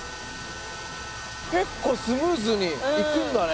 結構スムーズにいくんだね。